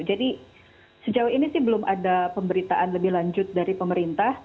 jadi sejauh ini sih belum ada pemberitaan lebih lanjut dari pemerintah